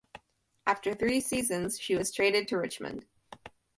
After three seasons she was traded to Richmond.